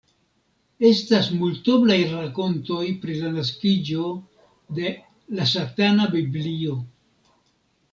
Estas multoblaj rakontoj pri la naskiĝo de "La Satana Biblio.